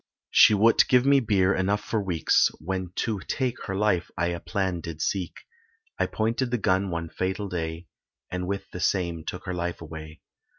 She would't give me beer enough for weeks, When to take her life I a plan did seek, I pointed the gun one fatal day, And with the same took her life away.